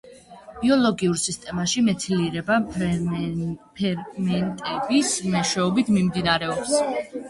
ბიოლოგიურ სისტემებში მეთილირება ფერმენტების მეშვეობით მიმდინარეობს.